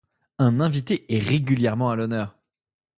Un invité est régulièrement à l'honneur.